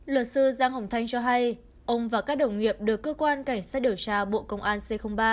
luật sư giang hồng thanh cho hay ông và các đồng nghiệp được cơ quan cảnh sát điều tra bộ công an c ba